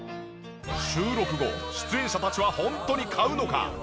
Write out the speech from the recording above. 収録後出演者たちはホントに買うのか追っかけてみた。